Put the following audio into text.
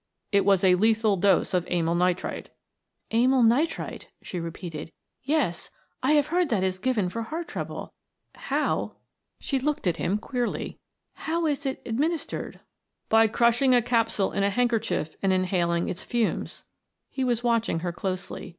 "It was a lethal dose of amyl nitrite." "Amyl nitrite," she repeated. "Yes, I have heard that it is given for heart trouble. How" she looked at him queerly. "How is it administered?" "By crushing a capsule in a handkerchief and inhaling its fumes" he was watching her closely.